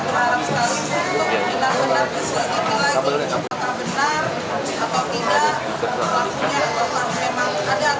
terus ini sudah selesai